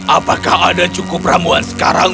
apakah ada cukup ramuan sekarang